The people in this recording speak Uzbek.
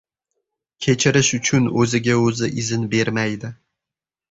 kechirish uchun oʻziga oʻzi izn bermaydi.